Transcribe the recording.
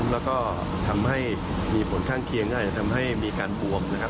แล้วก็ทำให้มีผลข้างเคียงก็อาจจะทำให้มีการบวมนะครับ